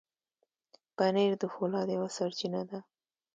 پنېر د فولاد یوه سرچینه ده.